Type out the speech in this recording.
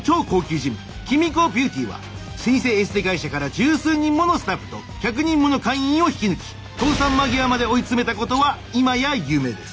ジムキミコ・ビューティーは老舗エステ会社から十数人ものスタッフと１００人もの会員を引き抜き倒産間際まで追い詰めたことは今や有名です。